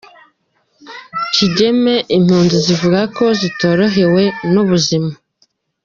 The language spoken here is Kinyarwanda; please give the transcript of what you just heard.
Kigeme Impunzi zivuga ko zitorohewe n’ubuzima